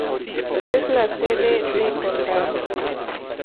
Es la Sede de condado.